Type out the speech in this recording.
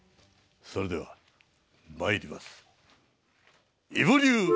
それではまいります。